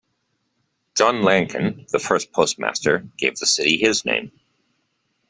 John Lankin, the first postmaster, gave the city his name.